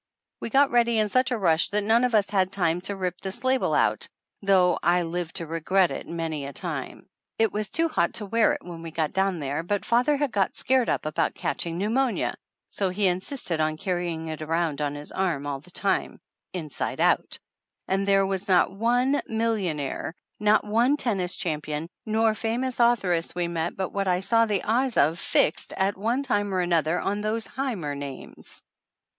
We got ready in such a rush that none of us had time to rip this label out, though I lived to regret it many a time ! It was too hot to wear it when we got down there, but father had got scared up about catching pneumonia, so he in sisted on carrying it around on his arm all the time, inside out; and there was not one million 259 THE ANNALS OF ANN aire, not one tennis champion, nor famous authoress we met, but what I saw the eyes of fixed, at one time or another, on those "heimer" names